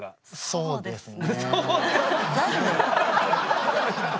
そうですね。